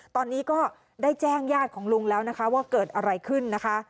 ตอนนี้ก็ได้แจ้งญาติของลุงแล้วนะคะว่าเกิดอะไรขึ้นนะคะ